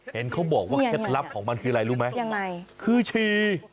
เห็นเขาบอกว่าเคล็ดลับของมันคืออะไรรู้ไหมยังไงคือชี